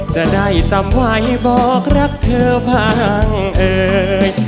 จะได้จำไว้บอกรักเธอบ้างเอ่ย